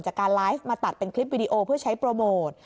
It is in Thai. จากการไลฟ์มาตัดเป็นคลิปวิดีโอเพื่อใช้โปรโมท